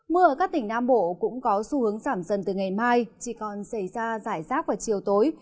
mưa ở các tỉnh nam bộ cũng có xu hướng giảm dần từ ngày mai chỉ còn xảy ra giải rác vào chiều tối